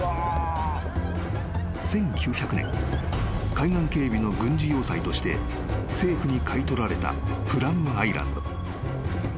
海岸警備の軍事要塞として政府に買い取られたプラムアイランド］